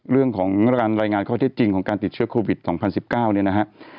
เรื่องของการรายงานข้อเท็จจริงของการติดเชื้อโควิด๒๐๑๙เนี่ยนะฮะ